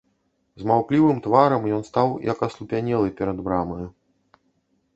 З маўклівым тварам ён стаў, як аслупянелы, перад брамаю.